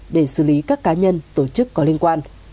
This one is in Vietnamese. để xử lý các cá nhân tổ chức có liên quan